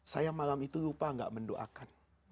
saya malam itu lupa gak mendoakan